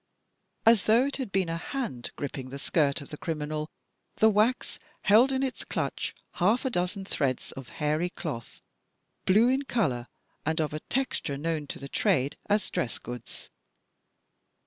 As though it had been a hand gripping the skirt of the criminal, that wax held in its clutch, half a dozen threads of a hairy cloth, blue in color, and of a texture known to the trade as dress goods.